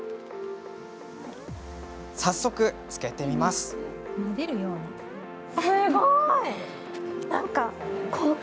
早速つけてみると。